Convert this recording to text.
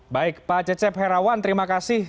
baik pak cecep herawan terima kasih